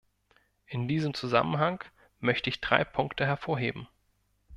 In diesem Zusammenhang möchte ich drei Punkte hervorheben.